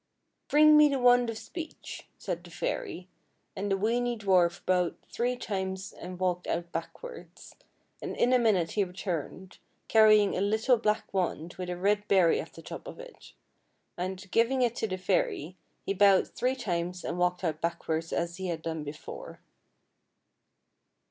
" Bring me the w r and of speech," said the fairy, and the weeny dwarf bowed three times and walked out backwards, and in a minute he returned, carrying a little black wand with a red berry at the top of it, and, giving it to the fairy, he bowed three times and walked out back wards as he had done before.